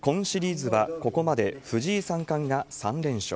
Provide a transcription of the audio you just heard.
今シリーズはここまで藤井三冠が３連勝。